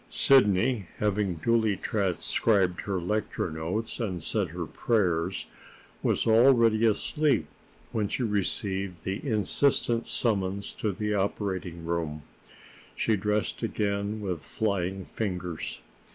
Sidney, having duly transcribed her lecture notes and said her prayers, was already asleep when she received the insistent summons to the operating room. She dressed again with flying fingers.